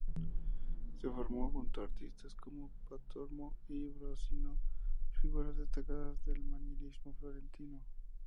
Se formó junto a artistas como Pontormo y Bronzino, figuras destacadas del manierismo florentino.